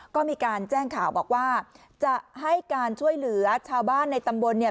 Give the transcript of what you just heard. ก็มีการแจ้งข่าวบอกว่าจะให้การช่วยเหลือชาวบ้านในตำบลเนี่ย